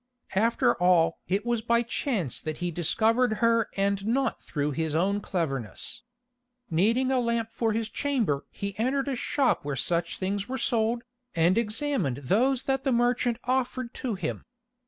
After all it was by chance that he discovered her and not through his own cleverness. Needing a lamp for his chamber he entered a shop where such things were sold, and examined those that the merchant offered to him.